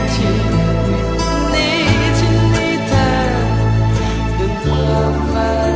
จริงนี้ฉันมีเธอเป็นความฝัน